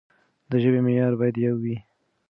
د ژبې معيار بايد يو وي.